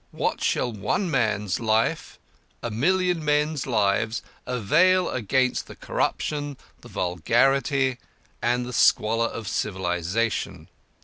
What shall one man's life a million men's lives avail against the corruption, the vulgarity, and the squalor of civilisation?